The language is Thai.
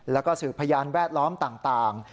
แล้วก็สืบพยานแวดล้อมต่าง